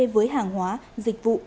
với hàng hóa dịch vụ